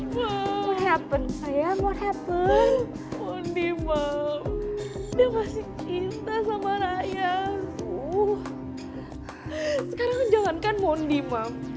sekarang jangankan mondi ma'am